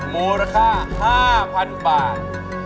มูลค่า๕๐๐๐บาท